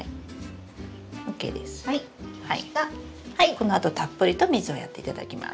このあとたっぷりと水をやっていただきます。